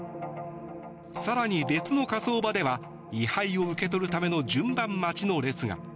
更に、別の火葬場では遺灰を受け取るための順番待ちの列が。